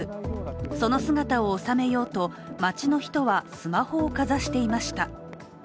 その姿をおさめようと街の人はスマホをかざしていました。